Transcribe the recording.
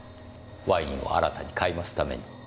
ワインを新たに買い増すために。